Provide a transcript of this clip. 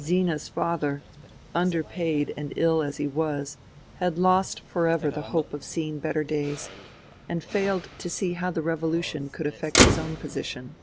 Zina's father, underpaid and ill as he was, had lost for ever the hope of seeing better days, and failed to see how the revolution could affect his own position.